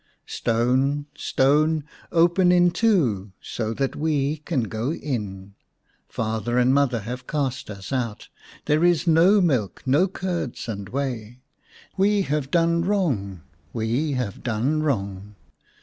Stone, Stone, open in two, So that we can go in. Father and mother have cast us out, There is no milk, no curds and whey. We have done wrong, we have done wrong.